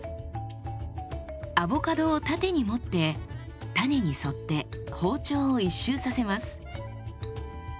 アボカドを縦に持って種に沿って包丁を一周させます。